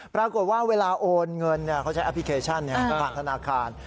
ปรากฏว่าเวลาโอนเงินเนี่ยเค้าใช้แอปพลิเคชันเนี่ยข้างธนาคาร